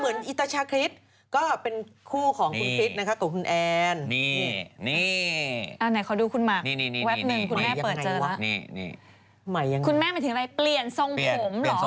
ไม่ใช่นี่นี้อ๋อทำเป็นหยิก